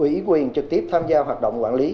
ủy quyền trực tiếp tham gia hoạt động quản lý